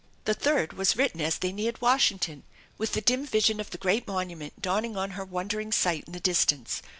The third was written as they neared Washington, with the dim vision of the great monument dawning on her won dering sight in the distance.